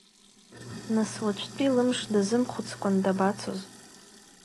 Нас уаҵәтәи лымш дазымхәыцкәан дабацоз.